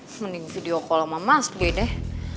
mending video call sama mas gitu deh